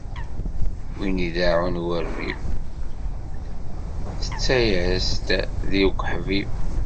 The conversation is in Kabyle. Win ideɛɛun i urbib, tettas-as-d deg uḥbib.